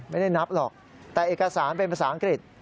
ไม่ได้นับหรอกแต่เอกสารเป็นภาษาอังกฤษ